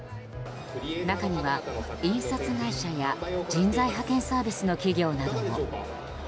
中には、印刷会社や人材派遣サービスの企業なども。